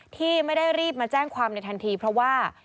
ที่ไม่ได้รีบมาแจ้งความในทันทีเพราะว่า